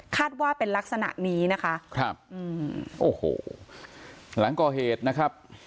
ว่าเป็นลักษณะนี้นะคะครับอืมโอ้โหหลังก่อเหตุนะครับ